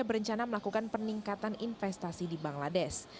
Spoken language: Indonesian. berencana melakukan peningkatan investasi di bangladesh